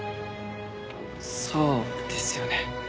そうですよね。